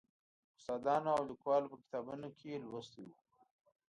د استادانو او لیکوالو په کتابونو کې لوستی و.